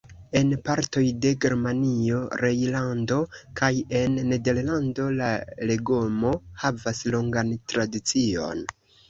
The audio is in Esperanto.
En partoj de Germanio, Rejnlando kaj en Nederlando la legomo havas longan tradicion.